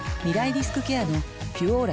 リスクケアの「ピュオーラ」